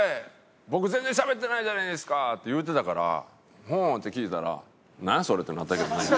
僕全然しゃべってないじゃないですか」って言うてたから「ほう」って聞いてたら「なんや？それ」ってなったけどな今。